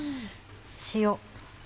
塩。